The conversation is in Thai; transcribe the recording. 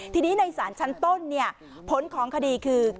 ทีนี้ในศาลชั้นต้นผลของคดีคือ